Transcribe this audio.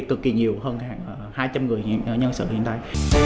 cực kỳ nhiều hơn hai trăm linh người nhân sự hiện tại